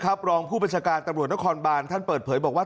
รองผู้บัญชาการตำรวจนครบานท่านเปิดเผยบอกว่า